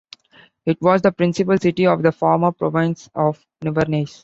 It was the principal city of the former province of Nivernais.